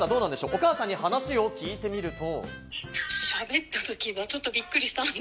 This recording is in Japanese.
お母さんに話を聞いてみると。